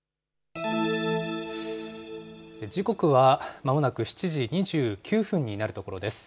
時刻はまもなく７時２９分になるところです。